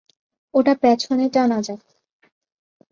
ওটা পেছনে টানা যাক।